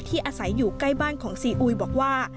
อาศัยอยู่ใกล้บ้านของซีอุยบอกว่า